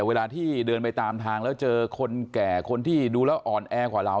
เวลาที่เดินไปตามทางแล้วเจอคนแก่คนที่ดูแล้วอ่อนแอกว่าเรา